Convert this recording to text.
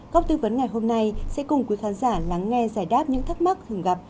góc tư vấn ngày hôm nay sẽ cùng quý khán giả lắng nghe giải đáp những thắc mắc thường gặp